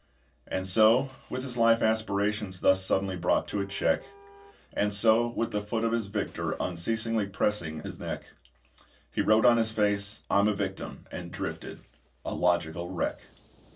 And so, with his life aspirations Thus suddenly brought to a check And so, with the foot of his victor Unceasingly pressing his neck He wrote on his face, "I'm a victim," and drifted a logical wreck.